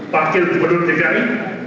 pakil gubernur dki